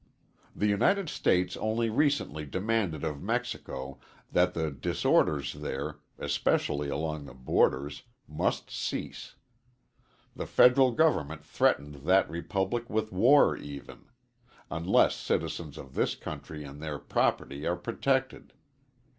The United States only recently demanded of Mexico that the disorders there, especially along the borders, must cease. The Federal government threatened that republic with war even, unless citizens of this country and their property are protected.